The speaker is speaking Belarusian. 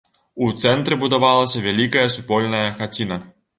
У цэнтры будавалася вялікая супольная хаціна.